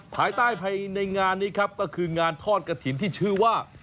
ภายใต้ภายในงานนี้ครับก็คืองานทอดกระถิ่นที่ชื่อว่า